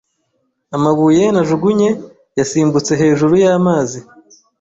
Amabuye najugunye yasimbutse hejuru y’amazi.